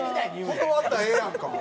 断ったらええやんか。